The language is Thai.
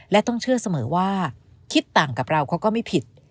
และต้องเชื่อเสมอว่าคิดต่างกับเราเขาก็ไม่ผิด